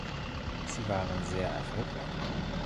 Sie waren sehr erfolgreich.